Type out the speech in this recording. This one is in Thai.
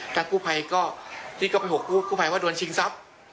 แต่กู้ภัยก็ที่เข้าไปหกครู่กู้ภัยว่าโดนชิงทรัพย์